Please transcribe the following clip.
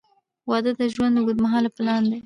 • واده د ژوند اوږدمهاله پلان دی.